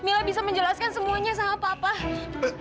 mila bisa menjelaskan semuanya sama papa